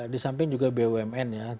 disamping juga bumn ya